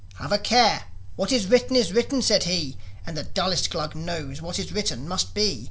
"Have a care! What is written is written," said he. "And the dullest Glug knows what is written must be.